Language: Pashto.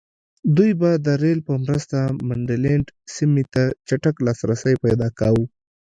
دوی به د رېل په مرسته منډلینډ سیمې ته چټک لاسرسی پیدا کاوه.